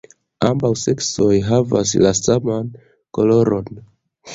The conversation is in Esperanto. Ambaŭ seksoj havas la saman koloron.